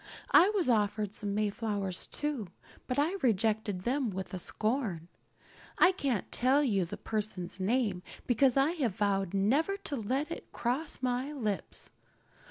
I was offered some Mayflowers too, but I rejected them with scorn. I can't tell you the person's name because I have vowed never to let it cross my lips.